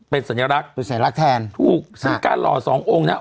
เป็นสัญลักษณ์เป็นสัญลักษณ์แทนถูกซึ่งการหล่อสององค์เนี้ย